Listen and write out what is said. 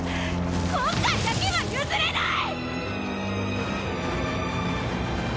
今回だけは譲れない！